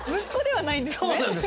息子ではないんですね。